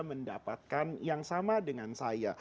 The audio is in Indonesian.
mendapatkan yang sama dengan saya